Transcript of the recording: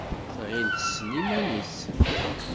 Tɣill tessen iman-is.